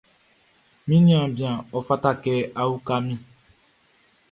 Mi niaan bian, ɔ fata kɛ a uka min.